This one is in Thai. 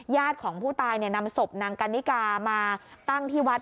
ของผู้ตายนำศพนางกันนิกามาตั้งที่วัด